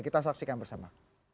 kita saksikan bersama